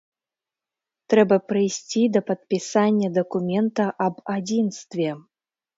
Трэба прыйсці да падпісання дакумента аб адзінстве.